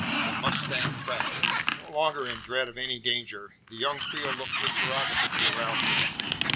THE MUSTANG TRAP. No longer in dread of any danger, the young Creole looked interrogatively around her.